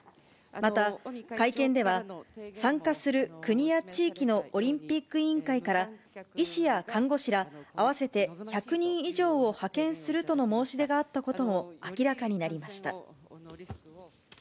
また、会見では参加する国や地域のオリンピック委員会から、医師や看護師ら合わせて１００人以上を派遣するとの申し出があったことも明らかになりました。